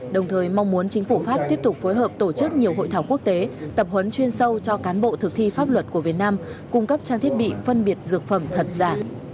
đồng thời mong muốn chính phủ pháp tiếp tục phối hợp tổ chức nhiều hội thảo quốc tế tập huấn chuyên sâu cho cán bộ thực thi pháp luật của việt nam cung cấp trang thiết bị phân biệt dược phẩm thật giả